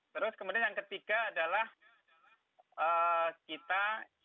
terus kemudian yang ketiga adalah kita